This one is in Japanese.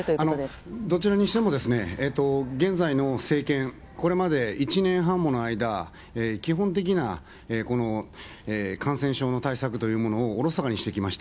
どちらにしてもですね、現在の政権、これまで１年半もの間、基本的な、この感染症の対策というものをおろそかにしてきました。